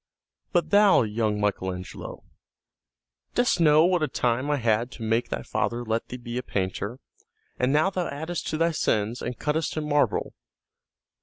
"But thou, young Michael Angelo, dost know what a time I had to make thy father let thee be a painter, and now thou addest to thy sins and cuttest in marble.